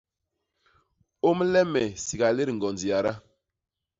Ômle me sigalét ñgond yada!